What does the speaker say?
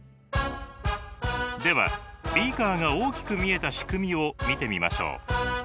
ではビーカーが大きく見えた仕組みを見てみましょう。